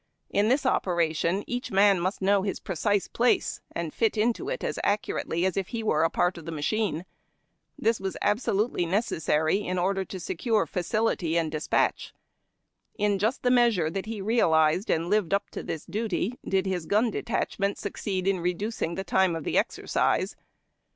In this operation each man must know Ins precise place, and fit into it as accurately as if he were a part of a machine. This was absolutely necessary, in order to secure facility and despatch. In ]ust the measure that he realized and lived up to this duty, did his gun detachment succeed in reducing the time of the exercise.